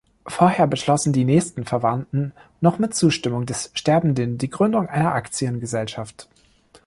Vorher beschlossen die nächsten Verwandten noch mit Zustimmung des Sterbenden die Gründung einer Aktiengesellschaft.